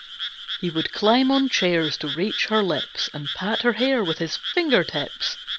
He would climb on chairs to reach her lips, And pat her hair with his finger tips.